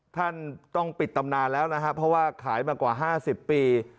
ท่านต้องปิดตำนานแล้วนะครับเพราะว่าขายมากว่า๕๐ปี